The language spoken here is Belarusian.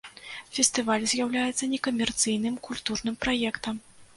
Фестываль з'яўляецца некамерцыйным культурным праектам.